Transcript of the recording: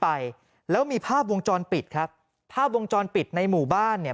ไปแล้วมีภาพวงจรปิดครับภาพวงจรปิดในหมู่บ้านเนี่ย